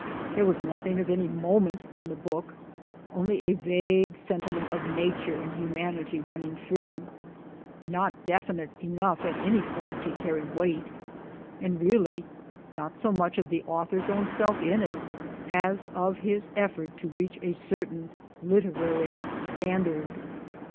There was nothing of any moment in the book ; only a vague sentiment of Nature and humanity running through, not definite enough at any point to carry weight ; and really not so much of the author's own self in it, as of his effort to reach a certain literary standard'.